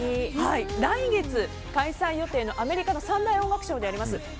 来月開催予定のアメリカの三大音楽賞である２０２２